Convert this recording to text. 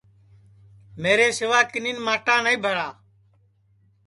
میرے سیوا کِنین ماٹا نائی بھرا